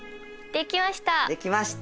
できました！